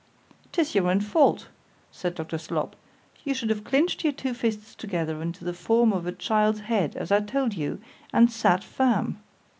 'Tis your own fault, said Dr. Slop——you should have clinch'd your two fists together into the form of a child's head as I told you, and sat firm.